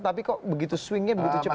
tapi kok begitu swingnya begitu cepat